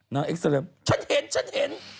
นางเอ็กซ์เซลล์ฉันเห็นฉันเห็น